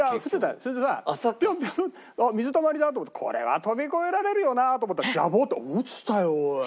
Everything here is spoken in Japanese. それでさあっ水たまりだと思ってこれは飛び越えられるよなと思ったらジャボって落ちたよおい。